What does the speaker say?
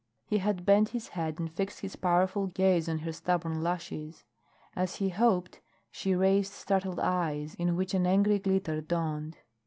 He had bent his head and fixed his powerful gaze on her stubborn lashes. As he hoped, she raised startled eyes in which an angry glitter dawned.